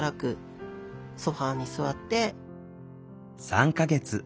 ３か月。